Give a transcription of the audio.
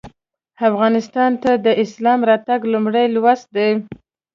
افغانستان ته د اسلام راتګ لومړی لوست دی.